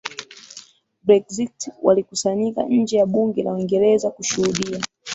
Brexit walikusanyika nje ya bunge la Uingereza kushuhudia